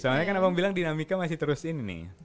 soalnya kan abang bilang dinamika masih terus ini nih